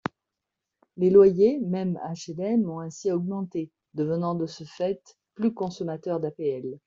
Les loyers, même HLM, ont ainsi augmenté, devenant de ce fait plus consommateurs d’APL.